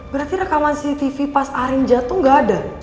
berarti rekaman si tv pas arim jatuh gak ada